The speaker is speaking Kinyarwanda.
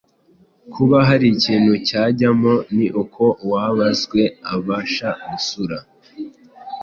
kuba hari ikintu cyajyamo ni uko uwabazwe abasha gusura.